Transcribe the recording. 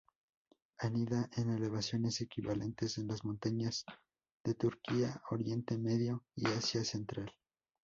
Anida en elevaciones equivalentes en las montañas de Turquía, Oriente Medio y Asia Central.